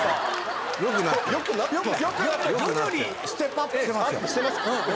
徐々にステップアップしてますよ。